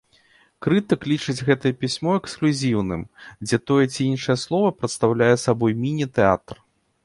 Крытык лічыць гэтае пісьмо эксклюзіўным, дзе тое ці іншае слова прадстаўляе сабой міні-тэатр.